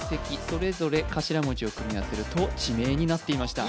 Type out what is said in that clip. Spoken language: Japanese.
それぞれ頭文字を組み合わせると地名になっていました